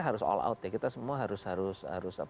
harus all out ya kita semua harus